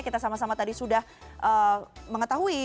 kita sama sama tadi sudah mengetahui